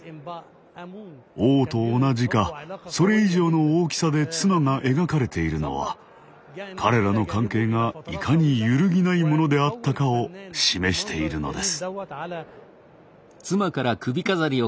王と同じかそれ以上の大きさで妻が描かれているのは彼らの関係がいかに揺るぎないものであったかを示しているのです。